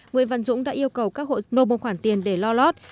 nguyễn văn dũng đã yêu cầu các hộ dân nộp một khoản tiền để lo lót